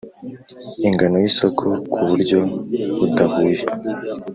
Ingano y isoko ku buryo budahuye